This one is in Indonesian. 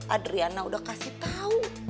adriana udah kasih tahu